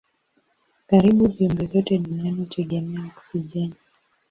Karibu viumbe vyote duniani hutegemea oksijeni.